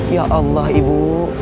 ya allah ibu